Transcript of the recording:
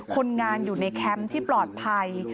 คนงานอยู่ในแคมป์ที่ปลอดภัย